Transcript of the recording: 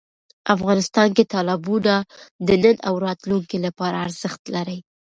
افغانستان کې تالابونه د نن او راتلونکي لپاره ارزښت لري.